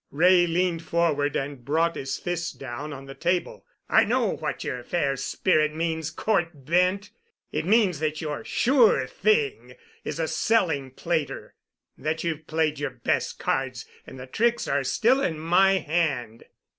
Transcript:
Wray leaned forward and brought his fist down on the table. "I know what your 'fair spirit' means, Cort Bent. It means that your 'sure thing' is a 'selling plater'; that you've played your best cards and the tricks are still in my hand."